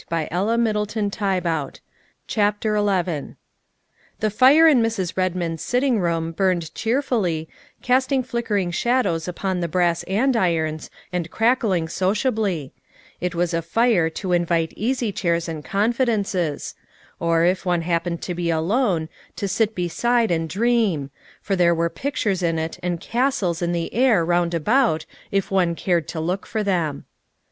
THE SECRETARY OF STATE 109 XI THE fire in Mrs. Redmond's sitting room burned cheerfully, casting flickering shadows upon the brass andirons and crackling sociably; it was a fire to invite easy chairs and confidences; or, if one happened to be alone, to sit beside and dream, for there were pictures in it and castles in the air roundabout if one cared to look for them.